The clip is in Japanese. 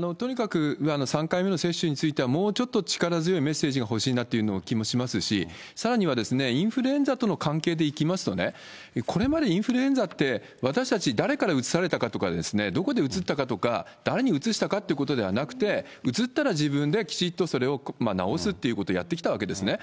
とにかく、３回目の接種については、もうちょっと力強いメッセージが欲しいなというような気もしますし、さらにはインフルエンザとの関係でいきますとね、これまでインフルエンザって私たち誰からうつされたかとか、どこでうつったかとか、誰にうつしたかということではなくて、うつったら自分できちっとそれを治すということをやってきたわけですね。